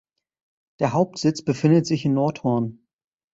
Der Hauptsitz befindet sich in Nordhorn.